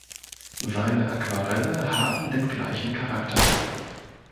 Seine Aquarelle haben den gleichen Charakter.